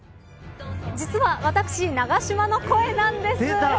実は私、永島の声なんです。